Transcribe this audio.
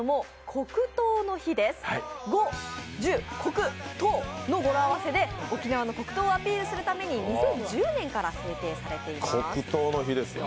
５１０、この語呂合わせで沖縄の黒糖をアピールするために２０１０年から制定されています。